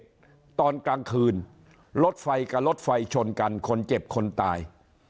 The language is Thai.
ตอนกลางคืนรถไฟกับรถไฟชนกันคนเจ็บคนตาย